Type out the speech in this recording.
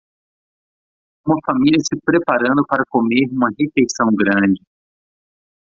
Uma família se preparando para comer uma refeição grande.